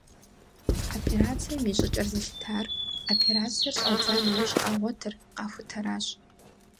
Операцием и щӏыкӏэр зэлъытар, операциер щӏадза нэужь къагъуэтыр, къахутэращ.